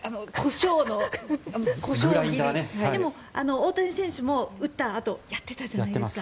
大谷選手も打ったあとやってたじゃないですか。